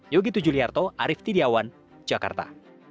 yogi tujuliarto arief tidiawan jakarta